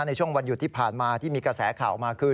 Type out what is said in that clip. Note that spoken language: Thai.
ในช่วงวันหยุดที่ผ่านมาที่มีกระแสข่าวออกมาคือ